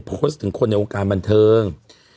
โพสต์ถึงคนในวงการบันเทิง